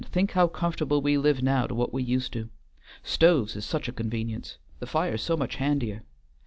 think how comfortable we live now to what we used to! Stoves is such a convenience; the fire's so much handier.